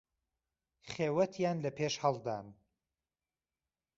خێوهتیان له پێش ههڵدان